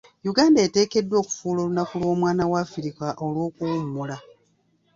Uganda eteekeddwa okufuula olunaku lw'omwana wa Afrika olw'okuwummula.